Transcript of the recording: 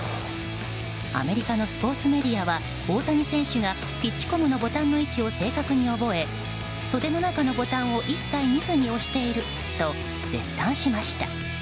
アメリカのスポーツメディアは大谷選手がピッチコムのボタンの位置を正確に覚え、袖の中のボタンを一切見ずに押していると絶賛しました。